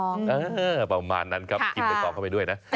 นึกไม่ออกจะทานอะไร